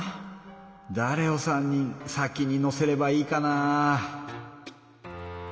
だれを３人先に乗せればいいかな？